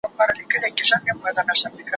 زه له سهاره د سبا لپاره د لغتونو تمرين کوم..